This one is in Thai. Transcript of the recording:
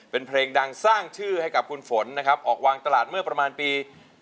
เป็นเพลงดังสร้างชื่อให้กับคุณฝนนะครับออกวางตลาดเมื่อประมาณปี